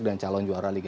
dan calon juara